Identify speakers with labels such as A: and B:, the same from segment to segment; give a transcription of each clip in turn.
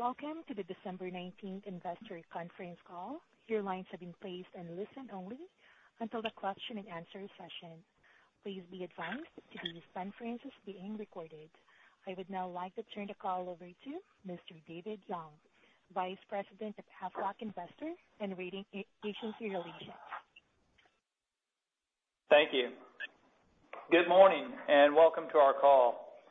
A: Welcome to the December 19th investor conference call. Your lines have been placed on listen only until the question and answer session. Please be advised that today's conference is being recorded. I would now like to turn the call over to Mr. David Young, Vice President of Aflac Investors and Rating Agency Relations.
B: Thank you. Good morning, and welcome to our call.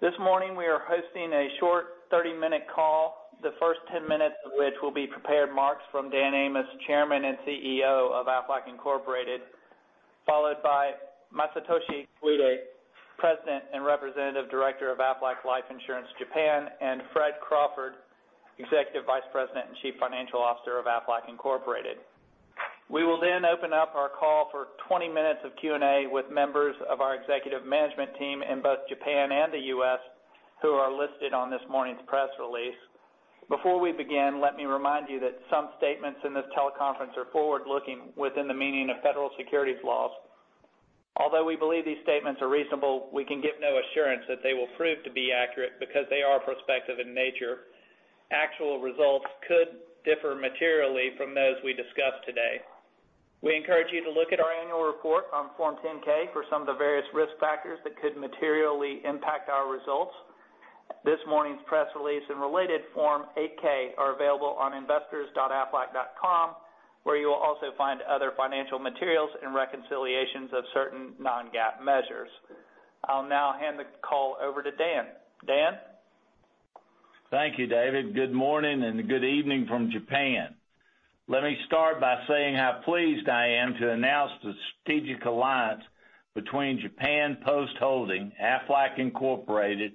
B: This morning, we are hosting a short 30-minute call, the first 10 minutes of which will be prepared remarks from Dan Amos, Chairman and Chief Executive Officer of Aflac Incorporated, followed by Masatoshi Koide, President and Representative Director of Aflac Life Insurance Japan, and Fred Crawford, Executive Vice President and Chief Financial Officer of Aflac Incorporated. We will then open up our call for 20 minutes of Q&A with members of our executive management team in both Japan and the U.S., who are listed on this morning's press release. Before we begin, let me remind you that some statements in this teleconference are forward-looking within the meaning of federal securities laws. Although we believe these statements are reasonable, we can give no assurance that they will prove to be accurate because they are prospective in nature. Actual results could differ materially from those we discuss today. We encourage you to look at our annual report on Form 10-K for some of the various risk factors that could materially impact our results. This morning's press release and related Form 8-K are available on investors.aflac.com, where you will also find other financial materials and reconciliations of certain non-GAAP measures. I'll now hand the call over to Dan. Dan?
C: Thank you, David. Good morning and good evening from Japan. Let me start by saying how pleased I am to announce the strategic alliance between Japan Post Holdings, Aflac Incorporated,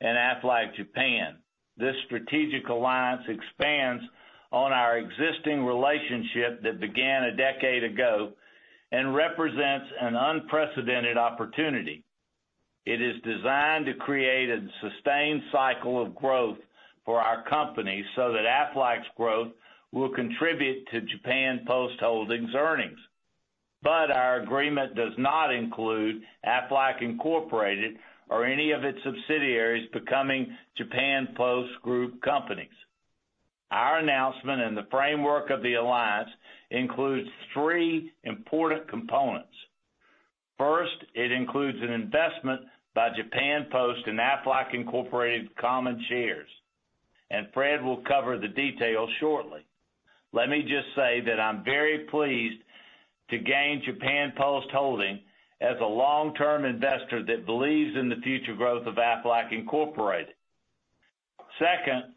C: and Aflac Japan. This strategic alliance expands on our existing relationship that began a decade ago and represents an unprecedented opportunity. It is designed to create a sustained cycle of growth for our company so that Aflac's growth will contribute to Japan Post Holdings earnings. Our agreement does not include Aflac Incorporated or any of its subsidiaries becoming Japan Post Group companies. Our announcement and the framework of the alliance includes three important components. First, it includes an investment by Japan Post and Aflac Incorporated common shares. Fred will cover the details shortly. Let me just say that I'm very pleased to gain Japan Post Holdings as a long-term investor that believes in the future growth of Aflac Incorporated. Second,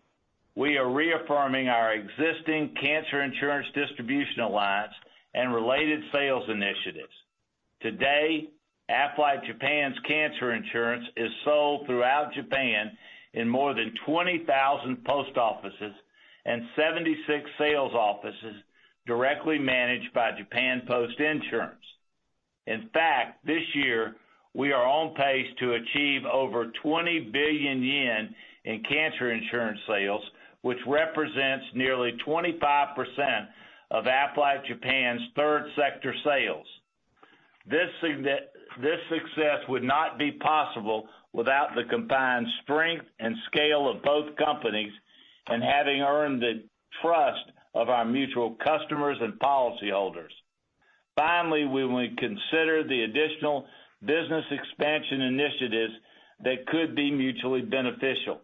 C: we are reaffirming our existing cancer insurance distribution alliance and related sales initiatives. Today, Aflac Japan's cancer insurance is sold throughout Japan in more than 20,000 post offices and 76 sales offices directly managed by Japan Post Insurance. In fact, this year, we are on pace to achieve over 20 billion yen in cancer insurance sales, which represents nearly 25% of Aflac Japan's third sector sales. This success would not be possible without the combined strength and scale of both companies and having earned the trust of our mutual customers and policyholders. Finally, when we consider the additional business expansion initiatives that could be mutually beneficial.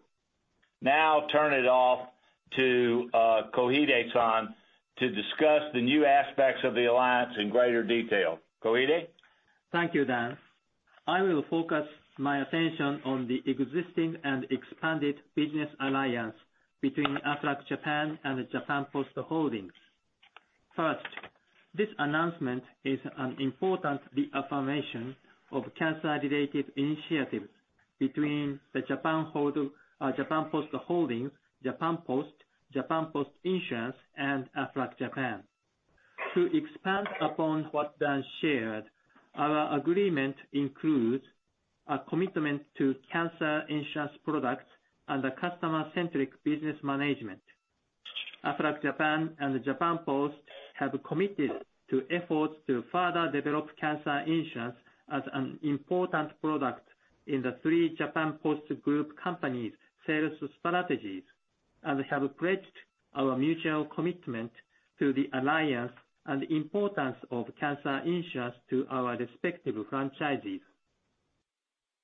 C: Now I turn it off to Koide to discuss the new aspects of the alliance in greater detail. Koide?
D: Thank you, Dan. I will focus my attention on the existing and expanded business alliance between Aflac Japan and Japan Post Holdings. First, this announcement is an important reaffirmation of cancer-related initiatives between the Japan Post Holdings, Japan Post, Japan Post Insurance, and Aflac Japan. To expand upon what Dan shared, our agreement includes a commitment to cancer insurance products and a customer-centric business management. Aflac Japan and Japan Post have committed to efforts to further develop cancer insurance as an important product in the three Japan Post Group companies' sales strategies and have pledged our mutual commitment to the alliance and importance of cancer insurance to our respective franchisees.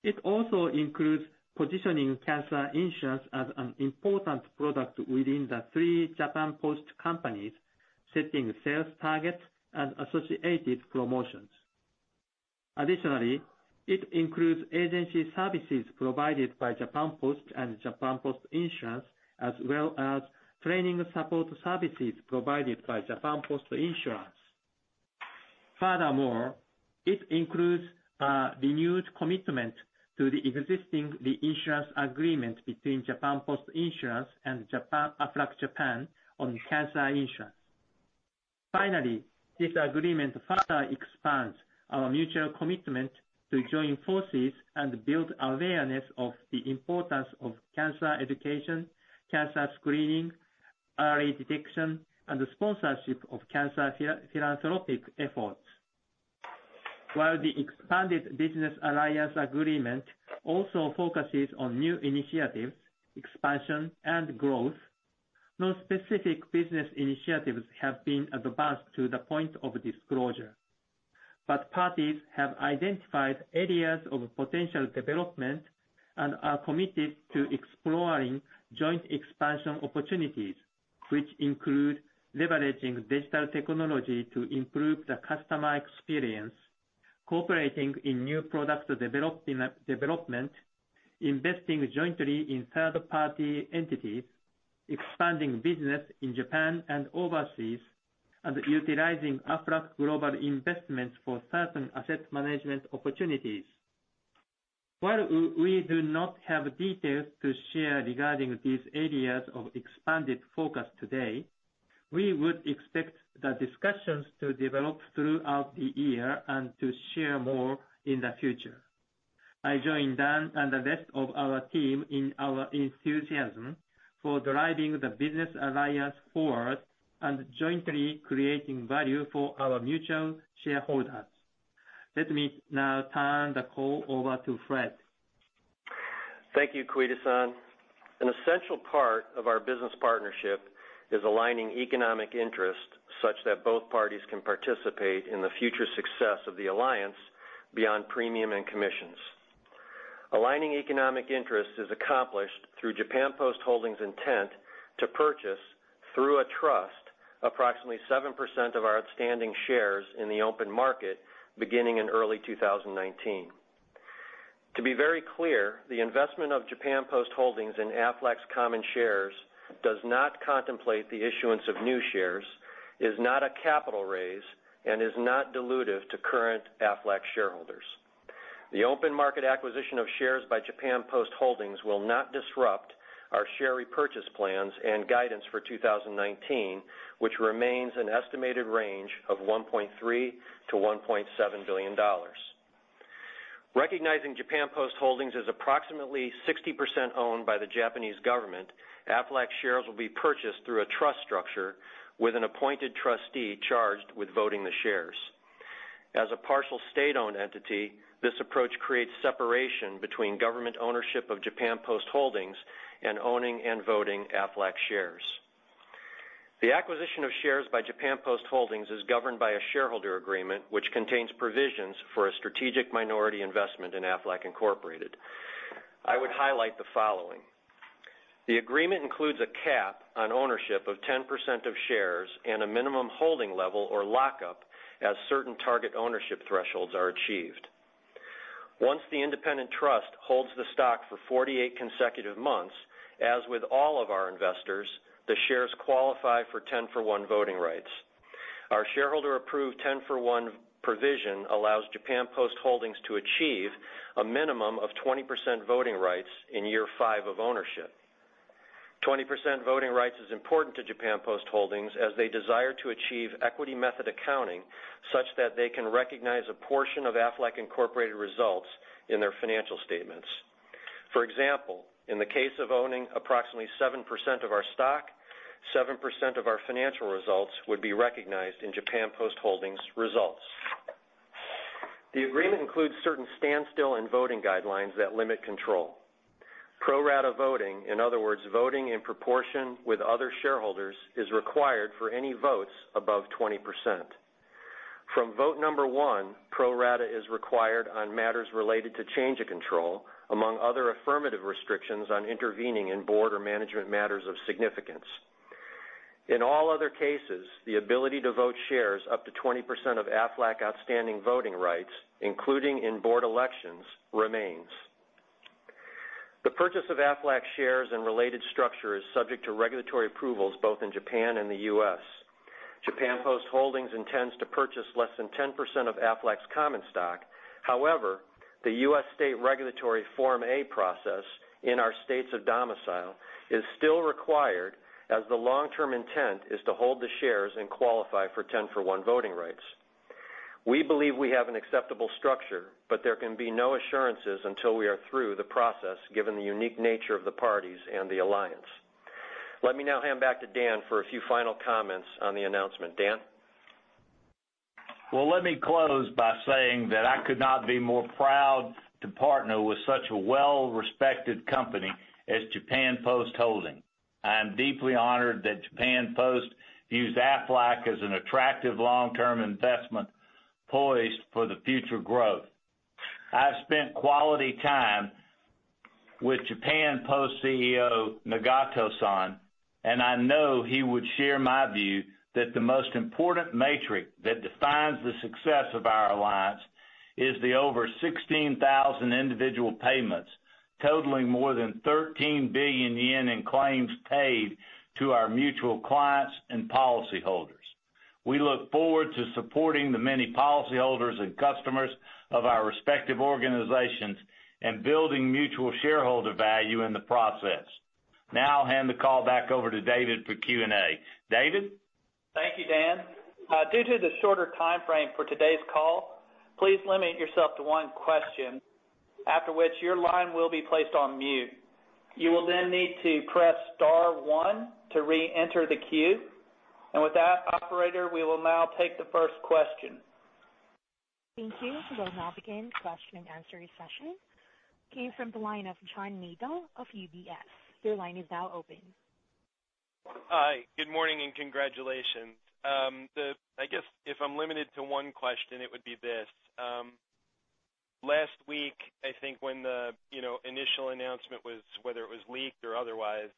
D: It also includes positioning cancer insurance as an important product within the three Japan Post companies, setting sales targets and associated promotions. Additionally, it includes agency services provided by Japan Post and Japan Post Insurance, as well as training support services provided by Japan Post Insurance. Furthermore, it includes a renewed commitment to the existing reinsurance agreement between Japan Post Insurance and Aflac Japan on cancer insurance. Finally, this agreement further expands our mutual commitment to join forces and build awareness of the importance of cancer education, cancer screening, early detection, and the sponsorship of cancer philanthropic efforts. While the expanded business alliance agreement also focuses on new initiatives, expansion, and growth, no specific business initiatives have been advanced to the point of disclosure. Parties have identified areas of potential development and are committed to exploring joint expansion opportunities, which include leveraging digital technology to improve the customer experience, cooperating in new product development, investing jointly in third-party entities, expanding business in Japan and overseas, and utilizing Aflac Global Investments for certain asset management opportunities. While we do not have details to share regarding these areas of expanded focus today, we would expect the discussions to develop throughout the year and to share more in the future. I join Dan and the rest of our team in our enthusiasm for driving the business alliance forward and jointly creating value for our mutual shareholders. Let me now turn the call over to Fred.
E: Thank you, Koide-san. An essential part of our business partnership is aligning economic interests such that both parties can participate in the future success of the alliance beyond premium and commissions. Aligning economic interests is accomplished through Japan Post Holdings' intent to purchase, through a trust, approximately 7% of our outstanding shares in the open market beginning in early 2019. To be very clear, the investment of Japan Post Holdings in Aflac's common shares does not contemplate the issuance of new shares, is not a capital raise, and is not dilutive to current Aflac shareholders. The open market acquisition of shares by Japan Post Holdings will not disrupt our share repurchase plans and guidance for 2019, which remains an estimated range of $1.3 billion-$1.7 billion. Recognizing Japan Post Holdings is approximately 60% owned by the Japanese government, Aflac shares will be purchased through a trust structure with an appointed trustee charged with voting the shares. As a partial state-owned entity, this approach creates separation between government ownership of Japan Post Holdings and owning and voting Aflac shares. The acquisition of shares by Japan Post Holdings is governed by a shareholder agreement, which contains provisions for a strategic minority investment in Aflac Incorporated. I would highlight the following. The agreement includes a cap on ownership of 10% of shares and a minimum holding level or lockup as certain target ownership thresholds are achieved. Once the independent trust holds the stock for 48 consecutive months, as with all of our investors, the shares qualify for ten-for-one voting rights. Our shareholder-approved ten-for-one provision allows Japan Post Holdings to achieve a minimum of 20% voting rights in year five of ownership. 20% voting rights is important to Japan Post Holdings as they desire to achieve equity method accounting such that they can recognize a portion of Aflac Incorporated results in their financial statements. For example, in the case of owning approximately 7% of our stock, 7% of our financial results would be recognized in Japan Post Holdings results. The agreement includes certain standstill and voting guidelines that limit control. Pro rata voting, in other words, voting in proportion with other shareholders, is required for any votes above 20%. From vote number one, pro rata is required on matters related to change of control, among other affirmative restrictions on intervening in board or management matters of significance. In all other cases, the ability to vote shares up to 20% of Aflac outstanding voting rights, including in board elections, remains. The purchase of Aflac shares and related structure is subject to regulatory approvals both in Japan and the U.S. Japan Post Holdings intends to purchase less than 10% of Aflac's common stock. However, the U.S. state regulatory Form A process in our states of domicile is still required, as the long-term intent is to hold the shares and qualify for ten-for-one voting rights. We believe we have an acceptable structure, but there can be no assurances until we are through the process, given the unique nature of the parties and the alliance. Let me now hand back to Dan for a few final comments on the announcement. Dan?
C: Let me close by saying that I could not be more proud to partner with such a well-respected company as Japan Post Holdings. I am deeply honored that Japan Post views Aflac as an attractive long-term investment poised for the future growth. I've spent quality time with Japan Post CEO Nagato-san, and I know he would share my view that the most important metric that defines the success of our alliance is the over 16,000 individual payments, totaling more than 13 billion yen in claims paid to our mutual clients and policyholders. We look forward to supporting the many policyholders and customers of our respective organizations and building mutual shareholder value in the process. I'll hand the call back over to David for Q&A. David?
B: Thank you, Dan. Due to the shorter timeframe for today's call, please limit yourself to one question, after which your line will be placed on mute. You will then need to press star one to reenter the queue.
C: With that operator, we will now take the first question.
A: Thank you. We'll now begin question and answer session. Came from the line of John Nadel of UBS. Your line is now open.
F: Hi, good morning and congratulations. I guess if I'm limited to one question, it would be this. Last week, I think when the initial announcement, whether it was leaked or otherwise,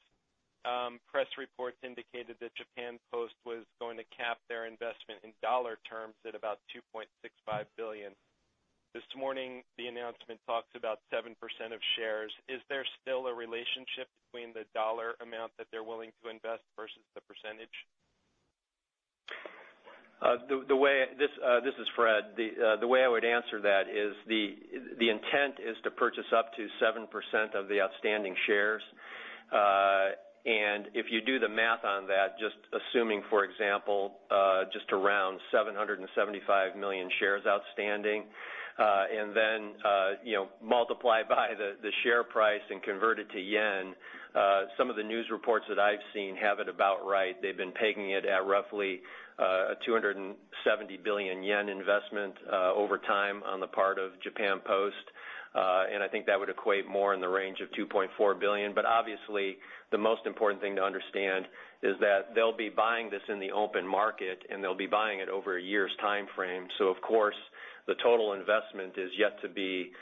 F: press reports indicated that Japan Post was going to cap their investment in dollar terms at about $2.65 billion. This morning, the announcement talks about 7% of shares. Is there still a relationship between the dollar amount that they're willing to invest versus the percentage?
E: This is Fred. The way I would answer that is the intent is to purchase up to 7% of the outstanding shares. If you do the math on that, just assuming, for example, just around 775 million shares outstanding, then multiply by the share price and convert it to yen. Some of the news reports that I've seen have it about right. They've been pegging it at roughly a 270 billion yen investment over time on the part of Japan Post. I think that would equate more in the range of $2.4 billion. Obviously, the most important thing to understand is that they'll be buying this in the open market, and they'll be buying it over a year's timeframe. Of course, the total investment is yet to be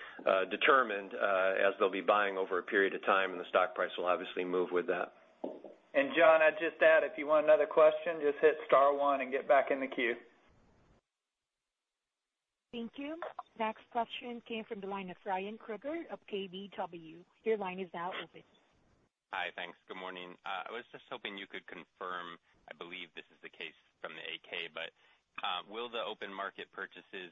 E: determined as they'll be buying over a period of time, and the stock price will obviously move with that.
B: John, I'd just add, if you want another question, just hit star one and get back in the queue.
A: Thank you. Next question came from the line of Ryan Krueger of KBW. Your line is now open.
G: Hi. Thanks. Good morning. I was just hoping you could confirm, I believe this is the case from the 8-K, but will the open market purchases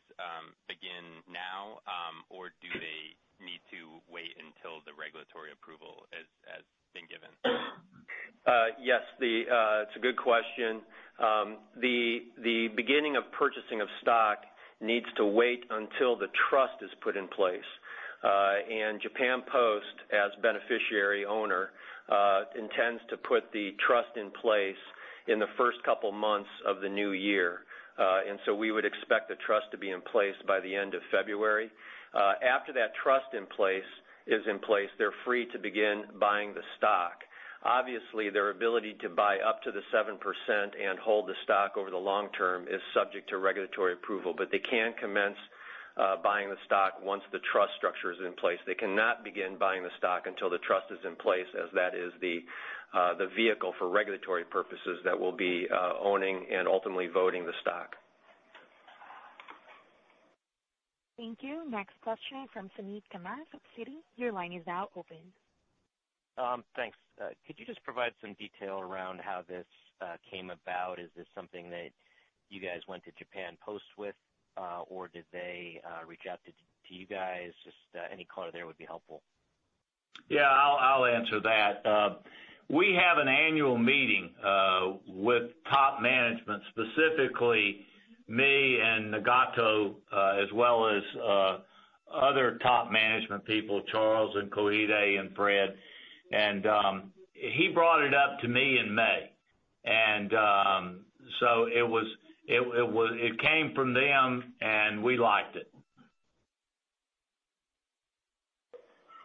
G: begin now or do they need to wait until the regulatory approval has been given?
E: Yes. It's a good question. The beginning of purchasing of stock needs to wait until the trust is put in place. Japan Post, as beneficiary owner intends to put the trust in place in the first couple of months of the new year. We would expect the trust to be in place by the end of February. After that trust is in place, they're free to begin buying the stock. Obviously, their ability to buy up to the 7% and hold the stock over the long term is subject to regulatory approval, but they can commence buying the stock once the trust structure is in place. They cannot begin buying the stock until the trust is in place, as that is the vehicle for regulatory purposes that will be owning and ultimately voting the stock.
A: Thank you. Next question from Suneet Kamath of Citigroup. Your line is now open.
H: Thanks. Could you just provide some detail around how this came about? Is this something that you guys went to Japan Post with, or did they reach out to you guys? Just any color there would be helpful.
C: Yeah, I'll answer that. We have an annual meeting with top management, specifically me and Nagato, as well as other top management people, Charles and Koide and Fred. He brought it up to me in May. So it came from them, and we liked it.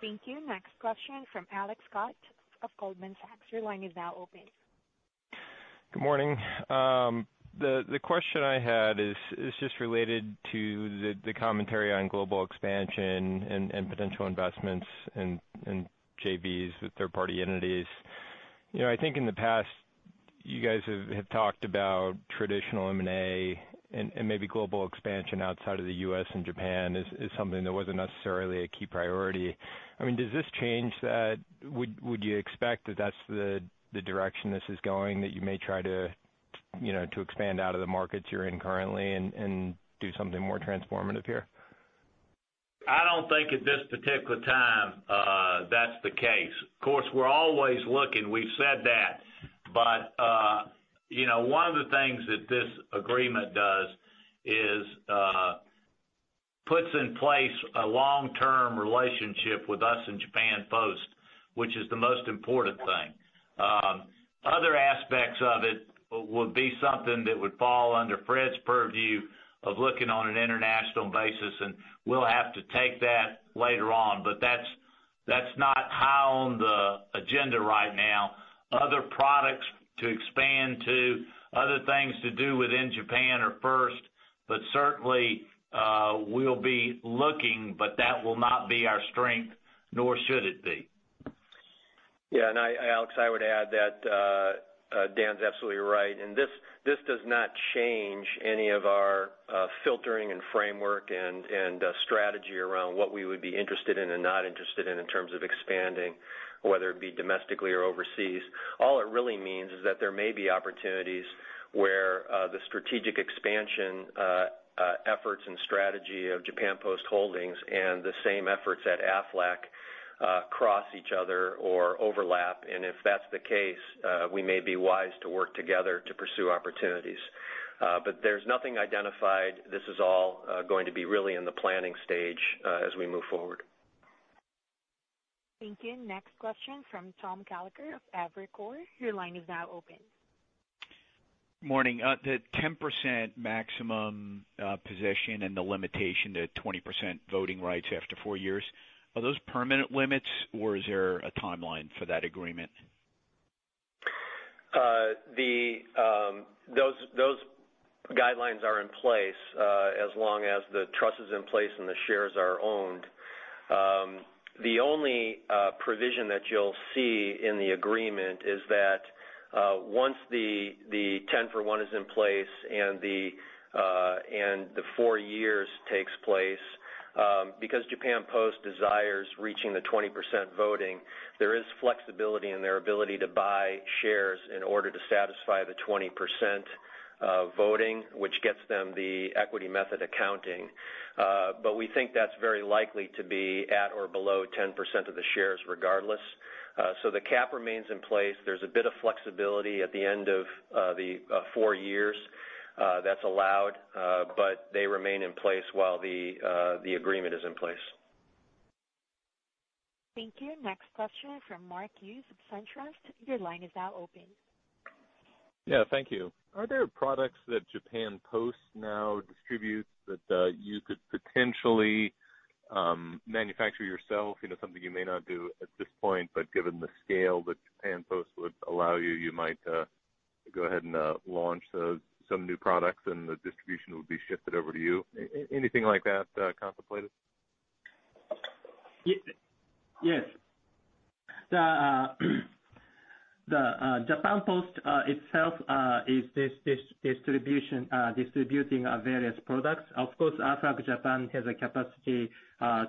A: Thank you. Next question from Alex Scott of Goldman Sachs. Your line is now open.
I: Good morning. The question I had is just related to the commentary on global expansion and potential investments in JVs with third-party entities. I think in the past, you guys have talked about traditional M&A and maybe global expansion outside of the U.S. and Japan as something that wasn't necessarily a key priority. I mean, does this change that? Would you expect that that's the direction this is going, that you may try to expand out of the markets you're in currently and do something more transformative here?
C: I don't think at this particular time that's the case. Of course, we're always looking. We've said that. One of the things that this agreement does is puts in place a long-term relationship with us and Japan Post, which is the most important thing. Other aspects of it would be something that would fall under Fred's purview of looking on an international basis, and we'll have to take that later on, but that's not high on the agenda right now. Other products to expand to, other things to do within Japan are first, but certainly we'll be looking, but that will not be our strength, nor should it be.
E: Yeah. Alex, I would add that Dan's absolutely right. This does not change any of our filtering and framework and strategy around what we would be interested in and not interested in terms of expanding, whether it be domestically or overseas. All it really means is that there may be opportunities where the strategic expansion efforts and strategy of Japan Post Holdings and the same efforts at Aflac cross each other or overlap. If that's the case, we may be wise to work together to pursue opportunities. There's nothing identified. This is all going to be really in the planning stage as we move forward.
A: Thank you. Next question from Thomas Gallagher of Evercore. Your line is now open.
J: Morning. The 10% maximum position and the limitation to 20% voting rights after four years, are those permanent limits, or is there a timeline for that agreement?
E: Those guidelines are in place, as long as the trust is in place and the shares are owned. The only provision that you'll see in the agreement is that once the ten for one is in place and the four years takes place, because Japan Post desires reaching the 20% voting, there is flexibility in their ability to buy shares in order to satisfy the 20% voting, which gets them the equity method accounting. We think that's very likely to be at or below 10% of the shares regardless. The cap remains in place. There's a bit of flexibility at the end of the four years that's allowed, they remain in place while the agreement is in place.
A: Thank you. Next question from Mark Hughes of SunTrust. Your line is now open.
K: Yeah, thank you. Are there products that Japan Post now distributes that you could potentially manufacture yourself? Something you may not do at this point, but given the scale that Japan Post would allow you might go ahead and launch some new products, and the distribution would be shifted over to you. Anything like that contemplated?
D: Yes. The Japan Post itself is distributing various products. Of course, Aflac Japan has a capacity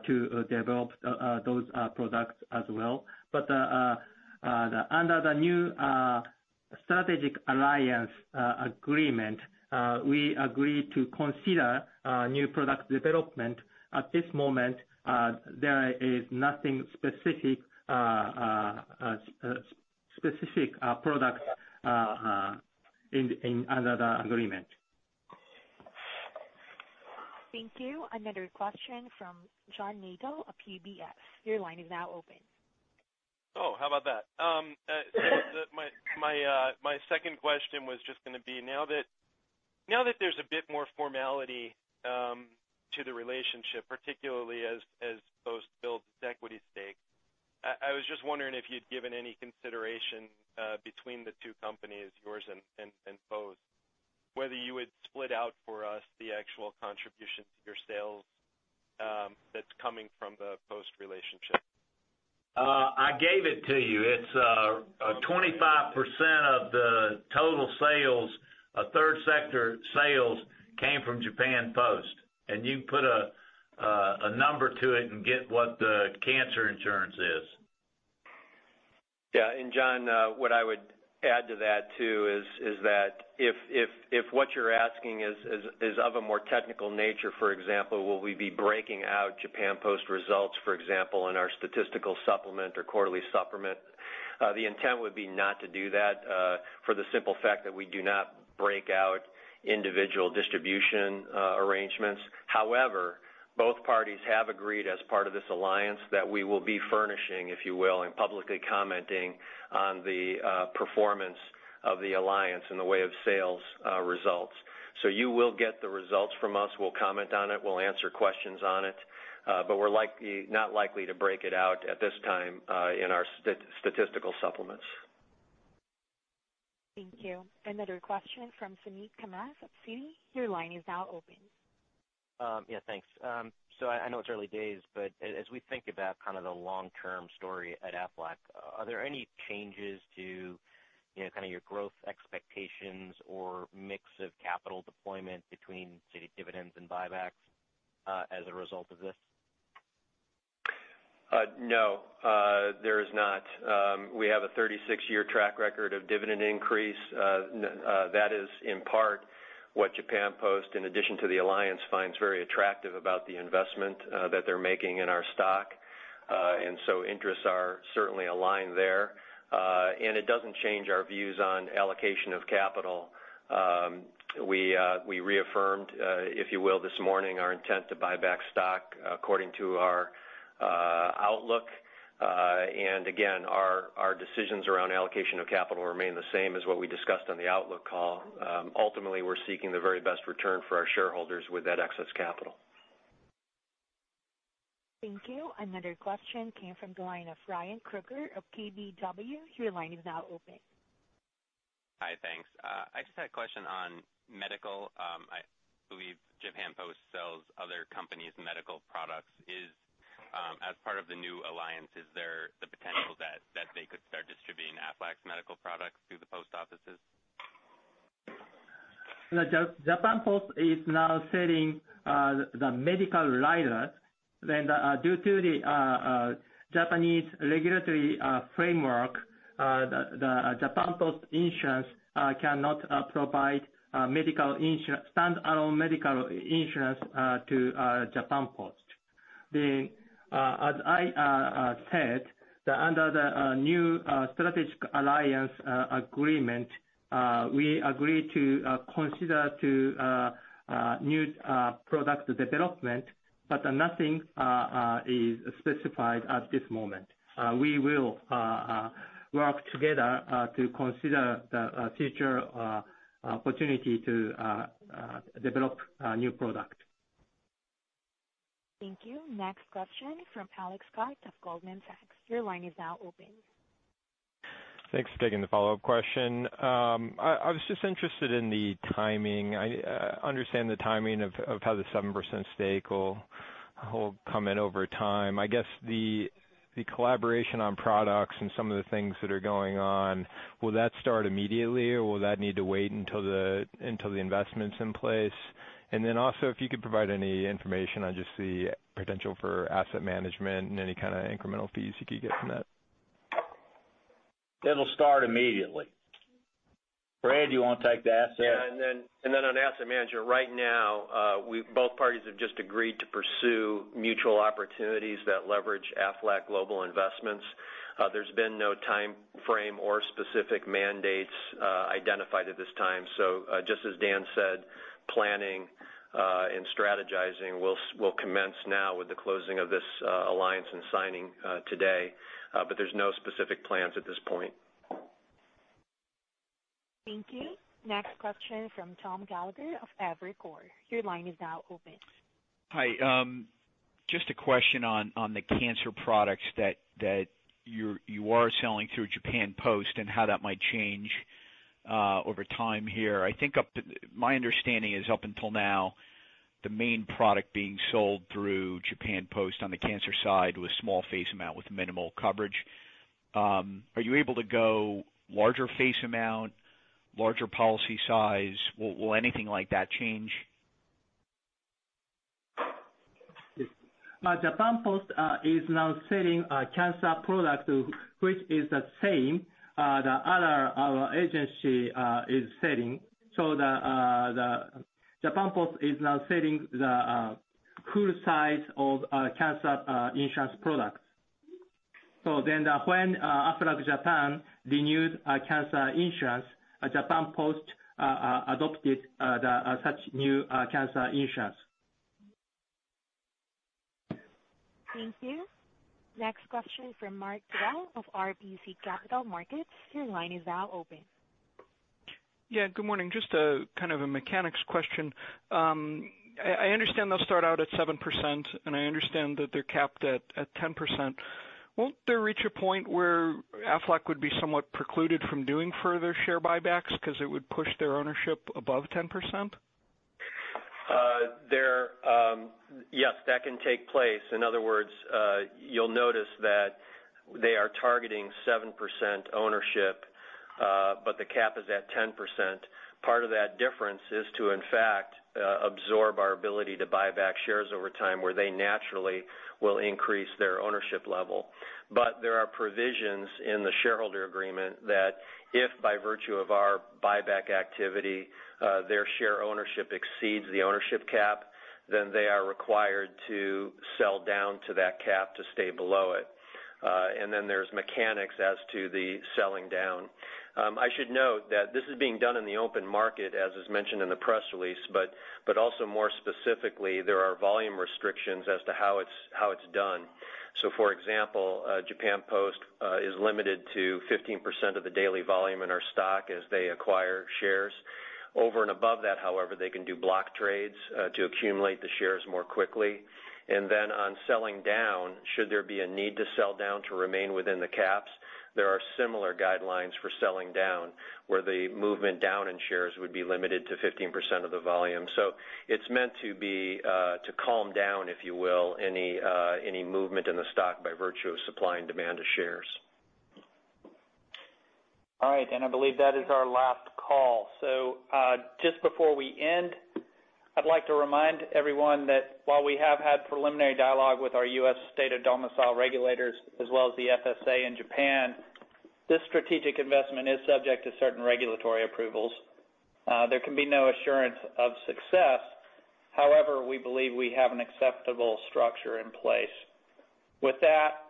D: to develop those products as well. Under the new strategic alliance agreement, we agreed to consider new product development. At this moment, there is nothing specific products under the agreement.
A: Thank you. Another question from John Nadel of UBS. Your line is now open.
F: How about that? My second question was just going to be, now that there's a bit more formality to the relationship, particularly as Post builds its equity stake, I was just wondering if you'd given any consideration between the two companies, yours and Post, whether you would split out for us the actual contribution to your sales that's coming from the Post relationship.
C: I gave it to you. It's 25% of the total sales. A third sector sales came from Japan Post, and you can put a number to it and get what the cancer insurance is.
E: Yeah. John, what I would add to that too is that if what you're asking is of a more technical nature, for example, will we be breaking out Japan Post results, for example, in our statistical supplement or quarterly supplement? The intent would be not to do that, for the simple fact that we do not break out individual distribution arrangements. However, both parties have agreed as part of this alliance that we will be furnishing, if you will, and publicly commenting on the performance of the alliance in the way of sales results. You will get the results from us, we'll comment on it, we'll answer questions on it, but we're not likely to break it out at this time in our statistical supplements.
A: Thank you. Another question from Suneet Kamath of Citigroup. Your line is now open.
H: Yeah, thanks. I know it's early days, but as we think about kind of the long-term story at Aflac, are there any changes to your growth expectations or mix of capital deployment between, say, dividends and buybacks, as a result of this?
E: No, there is not. We have a 36-year track record of dividend increase. That is, in part, what Japan Post, in addition to the alliance, finds very attractive about the investment that they're making in our stock. Interests are certainly aligned there. It doesn't change our views on allocation of capital. We reaffirmed, if you will, this morning, our intent to buy back stock according to our outlook. Again, our decisions around allocation of capital remain the same as what we discussed on the outlook call. Ultimately, we're seeking the very best return for our shareholders with that excess capital.
A: Thank you. Another question came from the line of Ryan Krueger of KBW. Your line is now open.
G: Hi, thanks. I just had a question on medical. I believe Japan Post sells other companies' medical products. As part of the new alliance, is there the potential that they could start distributing Aflac's medical products through the post offices?
D: Japan Post is now selling the medical rider. Due to the Japanese regulatory framework, Japan Post Insurance cannot provide stand-alone medical insurance to Japan Post. As I said, under the new strategic alliance agreement, we agreed to consider to new product development. Nothing is specified at this moment. We will work together to consider the future opportunity to develop a new product.
A: Thank you. Next question from Alex Scott of Goldman Sachs. Your line is now open.
I: Thanks for taking the follow-up question. I was just interested in the timing. I understand the timing of how the 7% stake will come in over time. I guess the collaboration on products and some of the things that are going on, will that start immediately or will that need to wait until the investment's in place? Also, if you could provide any information on just the potential for asset management and any kind of incremental fees you could get from that.
B: It'll start immediately. Fred, do you want to take the asset?
E: Yeah. On asset manager, right now, both parties have just agreed to pursue mutual opportunities that leverage Aflac Global Investments. There's been no timeframe or specific mandates identified at this time. Just as Dan said, planning and strategizing will commence now with the closing of this alliance and signing today. There's no specific plans at this point.
A: Thank you. Next question from Thomas Gallagher of Evercore. Your line is now open.
J: Hi. Just a question on the cancer products that you are selling through Japan Post and how that might change over time here. My understanding is up until now, the main product being sold through Japan Post on the cancer side was small face amount with minimal coverage. Are you able to go larger face amount, larger policy size? Will anything like that change?
D: Yes. Japan Post is now selling a cancer product, which is the same the other agency is selling. Japan Post is now selling the full size of cancer insurance products. When Aflac Japan renewed cancer insurance, Japan Post adopted such new cancer insurance.
A: Thank you. Next question from Mark Mahaney of RBC Capital Markets. Your line is now open.
L: Yeah, good morning. Just kind of a mechanics question. I understand they'll start out at 7%, and I understand that they're capped at 10%. Won't there reach a point where Aflac would be somewhat precluded from doing further share buybacks because it would push their ownership above 10%?
E: Yes, that can take place. In other words, you'll notice that they are targeting 7% ownership, but the cap is at 10%. Part of that difference is to, in fact, absorb our ability to buy back shares over time, where they naturally will increase their ownership level. There are provisions in the shareholder agreement that if by virtue of our buyback activity their share ownership exceeds the ownership cap, then they are required to sell down to that cap to stay below it. There's mechanics as to the selling down. I should note that this is being done in the open market, as is mentioned in the press release, but also more specifically, there are volume restrictions as to how it's done. For example, Japan Post is limited to 15% of the daily volume in our stock as they acquire shares. Over and above that, however, they can do block trades to accumulate the shares more quickly. On selling down, should there be a need to sell down to remain within the caps, there are similar guidelines for selling down, where the movement down in shares would be limited to 15% of the volume. It's meant to calm down, if you will, any movement in the stock by virtue of supply and demand of shares.
B: All right. I believe that is our last call. Just before we end, I'd like to remind everyone that while we have had preliminary dialogue with our U.S. state of domicile regulators, as well as the FSA in Japan, this strategic investment is subject to certain regulatory approvals. There can be no assurance of success. However, we believe we have an acceptable structure in place. With that,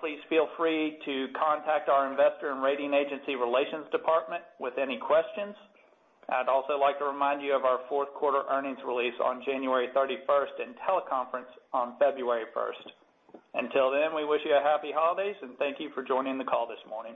B: please feel free to contact our investor and rating agency relations department with any questions. I'd also like to remind you of our fourth quarter earnings release on January 31st and teleconference on February 1st. Until then, we wish you a happy holidays. Thank you for joining the call this morning.